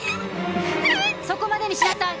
そこまでにしなさい。